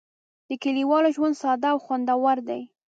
د کلیوالو ژوند ساده او خوندور دی.